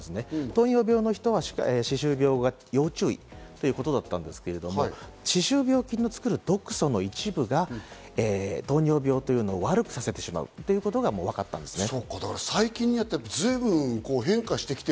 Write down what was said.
糖尿病の人は歯周病、要注意ということだったんですけど、歯周病菌の作る毒素の一部が糖尿病というのを悪くさせてしまうということがもうわかったんですね。